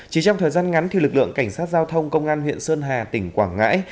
chỉ trong thời gian ngắn thì lực lượng cảnh sát giao thông công an huyện sơn hà tỉnh quảng ngãi